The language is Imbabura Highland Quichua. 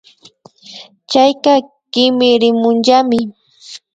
Chayka kimirimunllami